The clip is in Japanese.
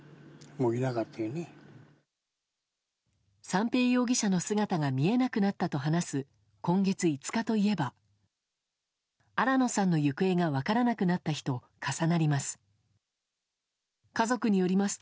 三瓶容疑者の姿が見えなくなったと話す今月５日といえば新野さんの行方が分からなくなった日と重なります。